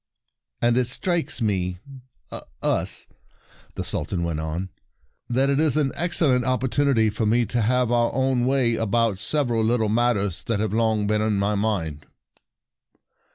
" And it strikes me— us," the Sultan went on, "that it is an excellent opportunity for me to have our own way about sev eral little matters that have long been in my mind."